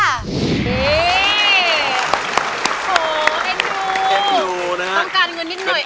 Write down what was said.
โหเห็นดูต้องการเงินนิดหน่อยเอง